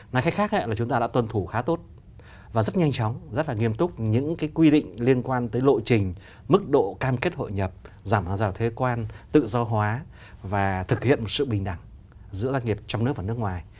nói cách khác là chúng ta đã tuân thủ khá tốt và rất nhanh chóng rất là nghiêm túc những quy định liên quan tới lộ trình mức độ cam kết hội nhập giảm hàng hóa giao thế quan tự do hóa và thực hiện một sự bình đẳng giữa doanh nghiệp trong nước và nước ngoài